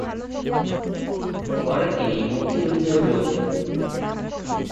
পরে তিনি মুক্তিযুদ্ধে যোগ দেন।